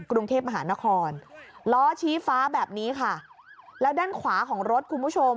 กรุงเทพมหานครล้อชี้ฟ้าแบบนี้ค่ะแล้วด้านขวาของรถคุณผู้ชม